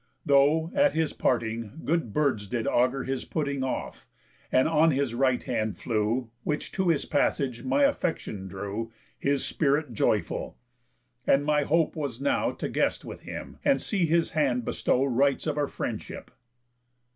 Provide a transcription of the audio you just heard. Though, at his parting, good birds did augur His putting off, and on his right hand flew, Which to his passage my affection drew, His spirit joyful; and my hope was now To guest with him, and see his hand bestow Rites of our friendship."